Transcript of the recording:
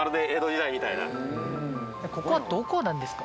ここはどこなんですか？